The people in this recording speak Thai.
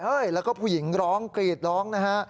แล้วก็ผู้หญิงร้องกรีดร้องนะฮะ